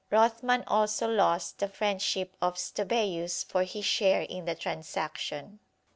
Rothman also lost the friendship of Stobæus for his share in the transaction.